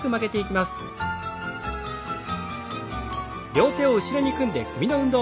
両手を体の後ろで組んで首の運動。